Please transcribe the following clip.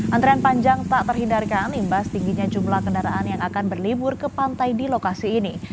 antrean panjang tak terhindarkan imbas tingginya jumlah kendaraan yang akan berlibur ke pantai di lokasi ini